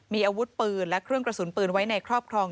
มีอาวุธปืนและเครื่องกระสุนปืนไว้ในครอบครอง